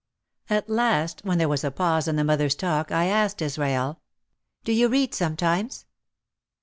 At last, when there was a pause in the mother's talk I asked Israel, "Do you read sometimes?"